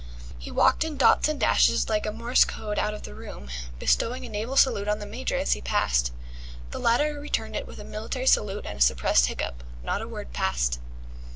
He walked in dots and dashes like a Morse code out of the room, bestowing a naval salute on the Major as he passed. The latter returned it with a military salute and a suppressed hiccup. Not a word passed.